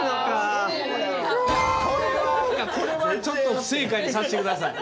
これはちょっと不正解にさせて下さい。